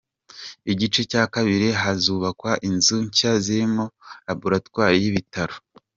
Igice cya kabiri hazubakwa inzu nshya zirimo Laboratwari y’ibitaro